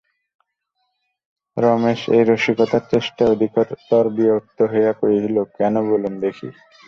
রমেশ এই রসিকতার চেষ্টায় অধিকতর বিরক্ত হইয়া কহিল, কেন বলুন দেখি।